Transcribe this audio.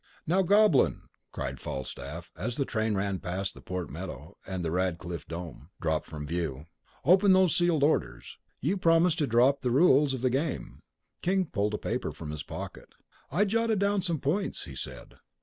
"Now, Goblin," cried Falstaff, as the train ran past the Port Meadow, and the Radcliffe dome dropped from view; "Open those sealed orders! You promised to draw up the rules of the game." King pulled a paper from his pocket. "I jotted down some points," he said.